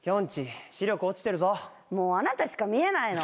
もうあなたしか見えないの。